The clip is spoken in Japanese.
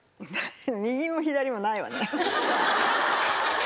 右も左もないわね。